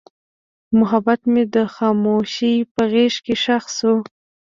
محبت مې د خاموشۍ په غېږ کې ښخ شو.